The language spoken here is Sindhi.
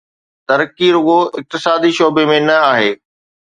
ترقي رڳو اقتصادي شعبي ۾ نه آهي.